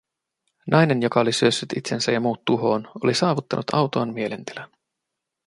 Nainen, joka oli syössyt itsensä ja muut tuhoon, oli saavuttanut autuaan mielentilan.